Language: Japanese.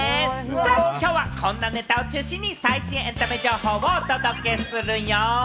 きょうはこんなネタを中心に最新エンタメ情報をお届けするよ。